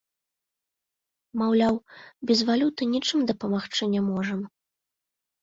Маўляў, без валюты нічым дапамагчы не можам.